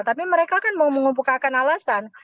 tapi mereka kan mau mengumpulkan alasan